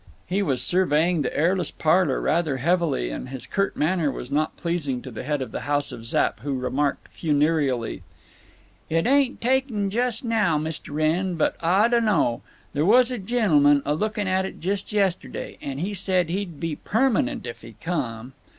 He was surveying the airless parlor rather heavily, and his curt manner was not pleasing to the head of the house of Zapp, who remarked, funereally: "It ain't taken just now, Mist' Wrenn, but Ah dunno. There was a gennulman a looking at it just yesterday, and he said he'd be permanent if he came.